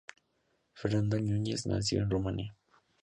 Fernando Núñez nació en Rumanía.